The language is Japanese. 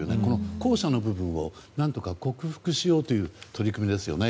後者の部分を何とか克服しようという取り組みですよね。